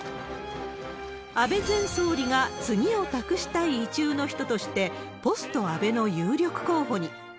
安倍前総理が次を託したい意中の人として、ポスト安倍の有力候補に。